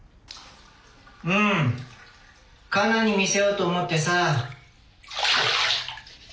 うん加奈に見せようと思ってさ。